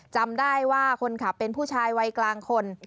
จำได้ว่าคนขับเป็นผู้ชายวัยกลางคน